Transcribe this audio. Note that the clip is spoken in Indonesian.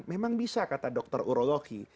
memang bisa kata dokter urologi